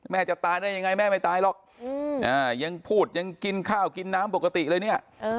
จะตายได้ยังไงแม่ไม่ตายหรอกยังพูดยังกินข้าวกินน้ำปกติเลยเนี่ย